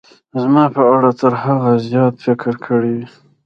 زما په اړه تر هغه څه زیات فکر کړی وي.